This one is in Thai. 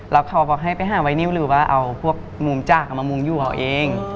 แล้วเขาบอกให้ไปหาไวนิวหรือว่าเอาพวกมุมจากเอามามุมอยู่เอาเอง